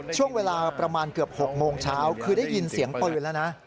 ช่วงเวลาประมาณเกือบ๖โมงเช้าคือได้ยินเสียงปืนแล้วนะ